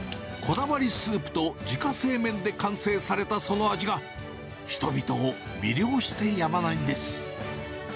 こだわりスープと自家製麺で完成されたその味が、人々を魅了してやまないんです。